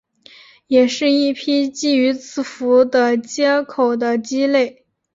也是一批基于字符的接口的基类。